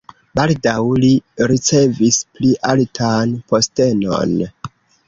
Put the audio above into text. Baldaŭ li ricevis pli altan postenon.